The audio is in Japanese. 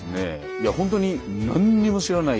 いやほんとに何も知らない。